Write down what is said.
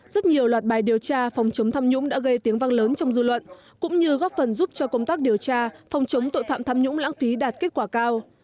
rất nhiều loạt bài điều tra phòng chống tham nhũng đã gây tiếng vang lớn trong dư luận cũng như góp phần giúp cho công tác điều tra phòng chống tội phạm tham nhũng lãng phí đạt kết quả cao